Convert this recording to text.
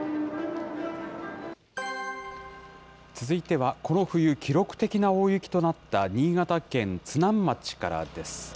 続いては、この冬記録的な大雪となった新潟県津南町からです。